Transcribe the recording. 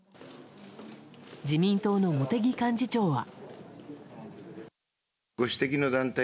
自民党の茂木幹事長は。